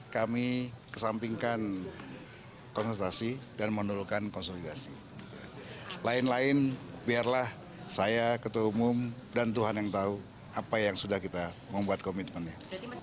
saya memutuskan untuk calling down ketika melihat tensi politik yang makin memanas